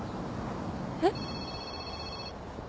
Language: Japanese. えっ？